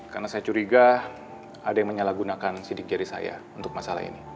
karena saya curiga ada yang menyalahgunakan sidik jari saya untuk masalah ini